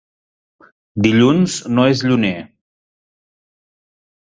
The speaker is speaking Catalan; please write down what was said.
Dilluns no és lluner.